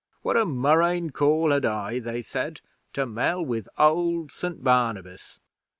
What a murrain call had I, they said, to mell with old St Barnabas'?